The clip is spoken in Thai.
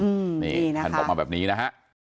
อืมนี่ท่านบอกมาแบบนี้นะฮะ